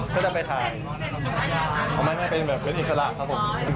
ก็จะไปถ่ายเอามาให้เป็นแบบเล่นอิสระครับผม